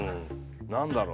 なんだろう？